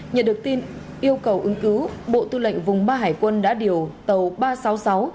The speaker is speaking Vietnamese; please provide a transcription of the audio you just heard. nhận được tin yêu cầu ứng cứu bộ tư lệnh vùng ba hải quân đã điều tàu ba trăm sáu mươi sáu